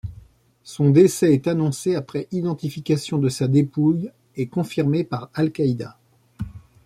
Son décès est annoncé après identification de sa dépouille et confirmé par Al-Qaida.